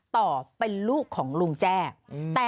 ต่อเป็นลูกของลุงแจ้